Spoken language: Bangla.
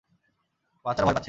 বাচ্চারা ভয় পাচ্ছে!